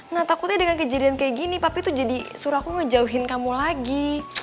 nah takutnya dengan kejadian kayak gini tapi tuh jadi suruh aku ngejauhin kamu lagi